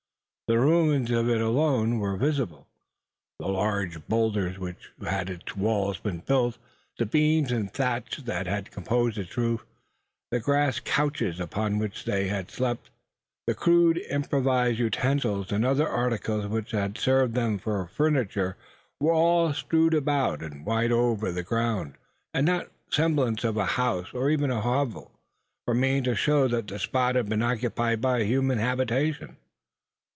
The ruins of it alone were visible. The large boulders with which its walls had been built, the beams and thatch that had composed its roof, the grass couches upon which they had slept, the rude improvised utensils and other articles which had served them for furniture, were all strewed far and wide over the ground; and not the semblance of a house, or even hovel, remained to show that the spot had been occupied by a human habitation!